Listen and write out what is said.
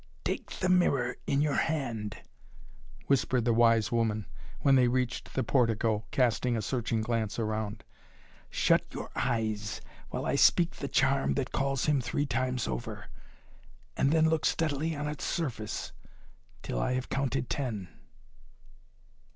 "Take the mirror in your hand," whispered the wise woman, when they reached the portico, casting a searching glance around. "Shut your eyes while I speak the charm that calls him three times over, and then look steadily on its surface till I have counted ten."